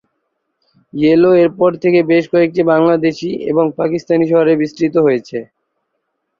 Yellow এর পর থেকে বেশ কয়েকটি বাংলাদেশী এবং পাকিস্তানি শহরে বিস্তৃত হয়েছে।